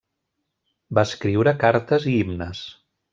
Va escriure cartes i himnes.